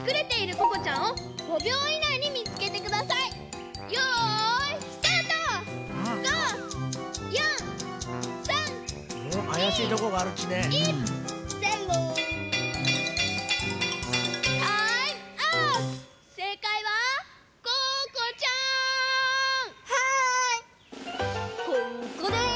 ここです！